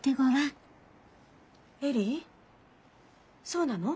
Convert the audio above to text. そうなの？